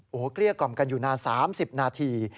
โอ้โหเกลี้ยกล่อมกันอยู่นาน๓๐นาที